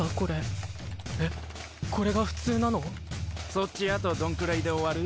そっちあとどんくらいで終わる？